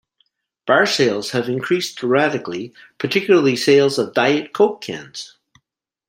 Bar sales have increased dramatically, particularly sales of Diet Coke cans.